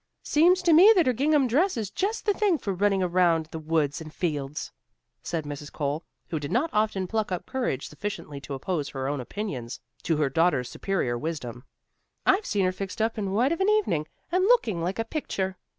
"Seems to me that her gingham dress is just the thing for running around in the woods and fields," said Mrs. Cole, who did not often pluck up courage sufficiently to oppose her own opinions to her daughter's superior wisdom. "I've seen her fixed up in white of an evening, and looking like a picture.